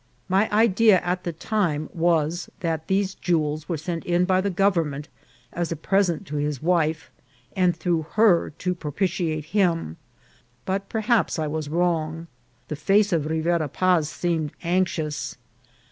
My idea at the time was, that these jewels were sent in by the government as a present to his wife, and through her to propitiate him, but perhaps I was wrong. The face of Rivera Paz seemed anx ious.